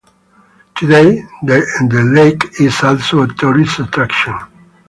Today, the lake is also a tourist attraction.